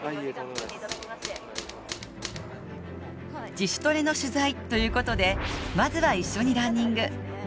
自主トレの取材ということでまずは一緒にランニング。